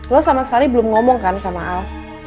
lo sama sekali belum ngomong kan sama al